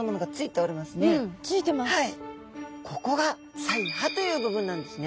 ここが鰓耙という部分なんですね。